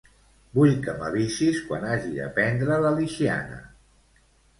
Vull que m'avisis quan hagi de prendre la Lixiana.